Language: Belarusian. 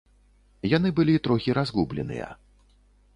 Яны былі трохі разгубленыя.